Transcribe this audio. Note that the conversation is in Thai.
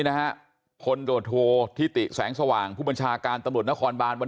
นะฮะพลโดโททิติแสงสว่างผู้บัญชาการตำรวจนครบานวัน